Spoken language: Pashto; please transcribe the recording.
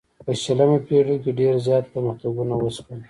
په شلمه پیړۍ کې ډیر زیات پرمختګونه وشول.